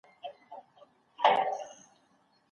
پایښت لرونکی پرمختګ زموږ غوښتنه ده.